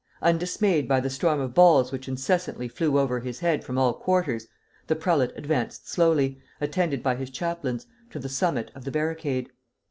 Undismayed by the storm of balls which incessantly flew over his head from all quarters, the prelate advanced slowly, attended by his chaplains, to the summit of the barricade.